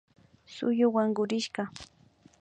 Suyuk wankurishka